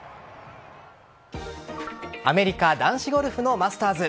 アメリカ男子ゴルフのマスターズ。